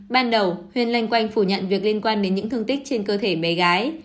ban đầu huyên lanh quanh phủ nhận việc liên quan đến những thương tích trên cơ thể bé gái